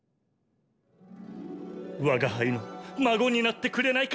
我が輩の孫になってくれないか？